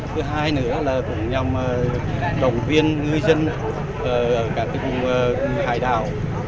thứ hai nữa là nhằm đồng viên ngư dân cả tỉnh hải đảo